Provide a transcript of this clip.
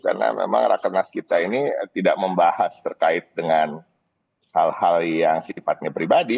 karena memang rakenas kita ini tidak membahas terkait dengan hal hal yang sifatnya pribadi